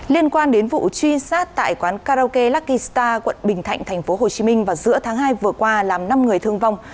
liên quan đến vụ truy sát tại quán karaoke luckista quận bình thạnh tp hcm vào giữa tháng hai vừa qua làm năm người thương vong